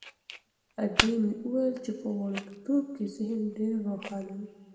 ادې مې ویل چې په وړکتوب کې ذهن ډېر روښانه وي.